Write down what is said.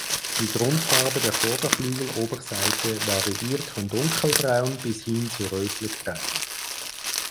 Die Grundfarbe der Vorderflügeloberseite variiert von dunkelbraun bis hin zu rötlich braun.